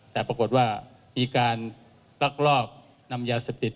แต่ปรากฏว่ามีการลักลอบนำยาเสพติด